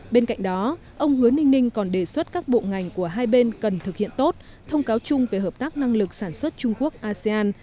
bên cạnh đó ông hứa ninh ninh còn đề xuất các bộ ngành của hai bên cần thực hiện tốt thông cáo chung về hợp tác năng lực sản xuất trung quốc asean